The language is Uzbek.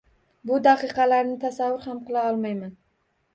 Bu daqiqalarni tasavvur ham qila olmayman